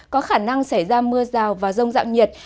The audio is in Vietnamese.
có khả năng xảy ra mưa rào và rông dạng nhiệt